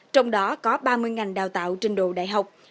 trong đó có ba mươi ngành đào tạo trình độ đại học